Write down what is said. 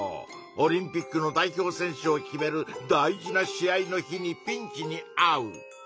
オリンピックの代表選手を決める大事な試合の日にピンチにあう。